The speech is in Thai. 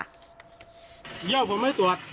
ครับมาเลยครับ